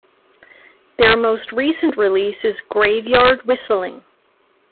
Their most recent release is "Graveyard Whistling".